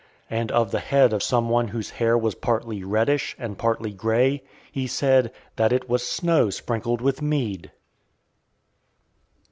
And of the head of some one whose hair was partly reddish, and partly grey, he said, "that it was snow sprinkled with mead."